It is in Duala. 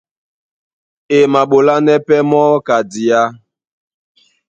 E maɓolánɛ́ pɛ́ mɔ́ ka diá.